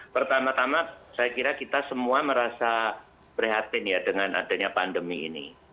pertama tama saya kira kita semua merasa prihatin ya dengan adanya pandemi ini